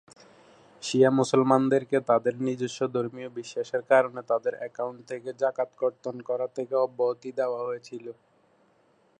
শিয়া মুসলমানদেরকে তাদের নিজস্ব ধর্মীয় বিশ্বাসের কারণে তাদের অ্যাকাউন্ট থেকে যাকাত কর্তন করা থেকে অব্যাহতি দেওয়া হয়েছিল।